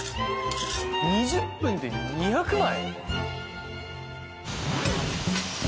２０分で２００枚！？